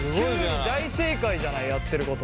大正解じゃないやってること。